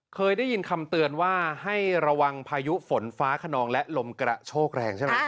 เคยได้ยินคำเตือนว่าให้ระวังพายุฝนฟ้าขนองและลมกระโชกแรงใช่ไหม